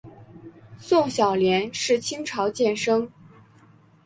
宋小濂是清朝监生。